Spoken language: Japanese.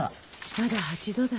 まだ８度台。